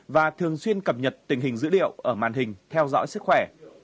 và thường xuyên cập nhật tình hình dữ liệu ở màn hình theo dõi sức khỏe